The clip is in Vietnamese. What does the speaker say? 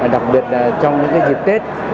đặc biệt là trong những cái dịp tết